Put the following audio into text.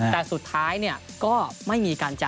แต่สุดท้ายเนี่ยก็ไม่มีการจ่าย